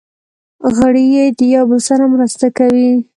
غړي یې د یو بل سره مرسته کوي.